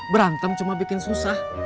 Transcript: berantem cuma bikin susah